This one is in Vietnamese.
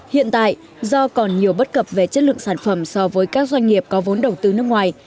hiện tại do còn nhiều bất cập về chất lượng sản phẩm so với các doanh nghiệp có vốn đầu tư nước ngoài